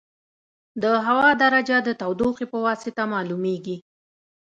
د هوا درجه د تودوخې په واسطه معلومېږي.